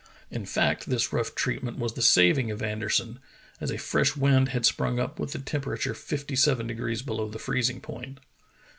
In fact this rough treatment was the saving of Ander son, as a fresh wind had sprung up with the tempera ture fifty seven degrees below the freezing point.